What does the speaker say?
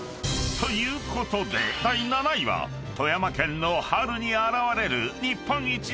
［ということで第７位は富山県の春に現れる日本一の滝］